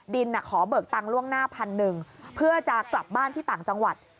ดินขอเบิกตังค์ล่วงหน้าพันหนึ่งเพื่อจะกลับบ้านที่ต่างจังหวัด